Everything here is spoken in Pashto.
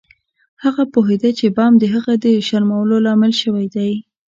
هغه پوهیده چې بم د هغه د شرمولو لامل شوی دی